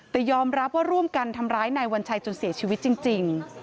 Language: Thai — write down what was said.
แต่ยอมรับว่าร่วมกันทำร้ายนายวัญชัยจนเสียชีวิตจริง